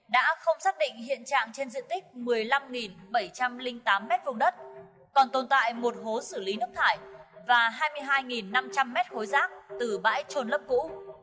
đã không xác định hiện trạng trên diện tích một mươi năm bảy trăm linh tám m hai còn tồn tại một hố xử lý nước thải và hai mươi hai năm trăm linh m hai khối rác từ bãi trồn lớp cũ